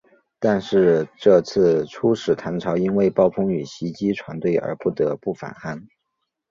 但是这次出使唐朝因为暴风雨袭击船队而不得不返航。